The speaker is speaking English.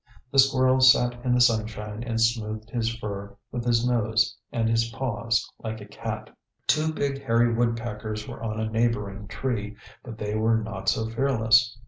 The squirrel sat in the sunshine and smoothed his fur with his nose and his paws, like a cat. Two big hairy woodpeckers were on a neighboring tree, but they were not so fearless.